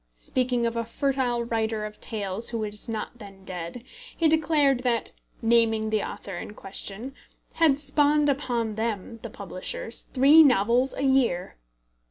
Speaking of a fertile writer of tales who was not then dead, he declared that (naming the author in question) had spawned upon them (the publishers) three novels a year!